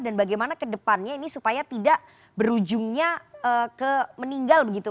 dan bagaimana kedepannya ini supaya tidak berujungnya meninggal begitu